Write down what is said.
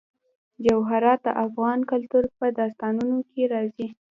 جواهرات د افغان کلتور په داستانونو کې راځي.